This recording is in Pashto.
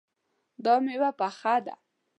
دا میوه پخه ده